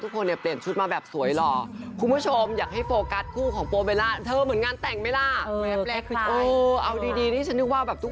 พี่โปเบลล่านึกว่าแต่งงานกันแล้วค่ะ